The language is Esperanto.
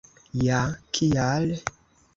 Ja kial?